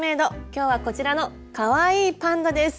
今日はこちらのかわいいパンダです。